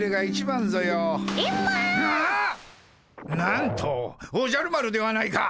なんとおじゃる丸ではないか！